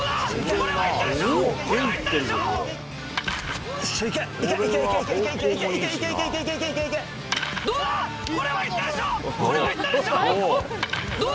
これはいったでしょう！